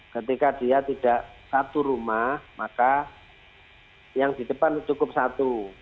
ketika dia tidak satu rumah maka yang di depan cukup satu